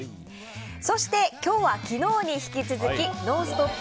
そして、今日は昨日に引き続き「ノンストップ！」